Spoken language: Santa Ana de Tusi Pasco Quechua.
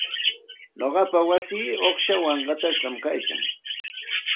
Nuqapa wayii uqshawan qatashqam kaykan.